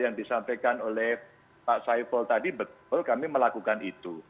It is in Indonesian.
yang disampaikan oleh pak saiful tadi betul kami melakukan itu